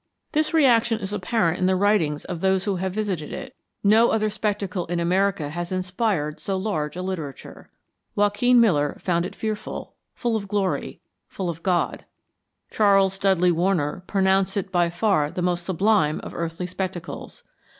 This reaction is apparent in the writings of those who have visited it; no other spectacle in America has inspired so large a literature. Joaquin Miller found it fearful, full of glory, full of God. Charles Dudley Warner pronounced it by far the most sublime of earthly spectacles.